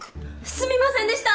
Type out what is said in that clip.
すみませんでした。